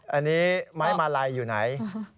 อันนี้ไม้มาลัยอยู่ไหน